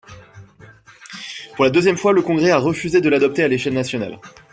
Pour la deuxième fois, le Congrès a refusé de l'adopter à l'échelle nationale.